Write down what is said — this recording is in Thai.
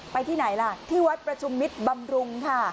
ที่ไหนล่ะที่วัดประชุมมิตรบำรุงค่ะ